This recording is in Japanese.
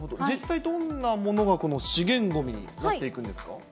実際どんなものがこの資源ごみになっていくんですか。